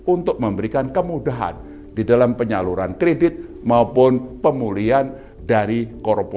untuk memberikan kemudahan di dalam penyaluran kredit maupun pemulihan dari korporasi